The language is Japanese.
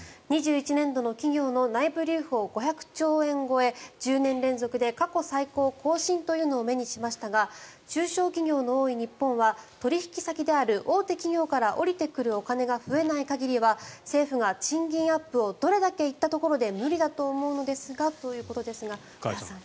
２１年の企業の内部留保５００兆円超え１０年連続で過去最高を更新というのを目にしましたが中小企業の多い日本は取引先である大手企業から降りてくるお金が増えない限りは政府が賃金アップをどれだけ言ったところで無理だと思うのですがということですが、加谷さん。